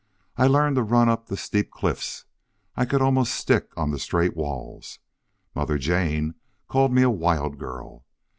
I learned to run up the steep cliffs. I could almost stick on the straight walls. Mother Jane called me a wild girl.